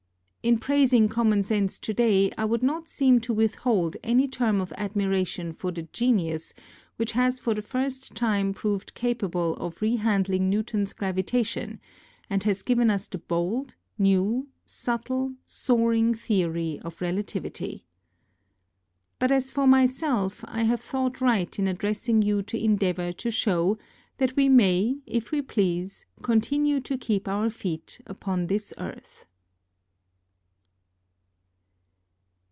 In prais ing common sense to day I would not seem to withhold any term of admiration for the genius which has for the first time proved capable of rehandling Newton's gravita tion, and has given us the bold, new, subtle, soaring theory of relativity. But as for myself, I have thought right in addressing you to endeavour to show that we may if we please continue to keep our feet upon this earth.